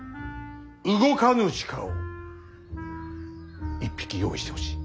動かぬ鹿を１匹用意してほしい。